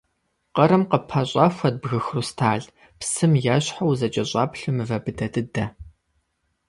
Къырым къыппэщӏэхуэрт бгы хрусталь – псым ещхьу узэкӏэщӏэплъу мывэ быдэ дыдэ.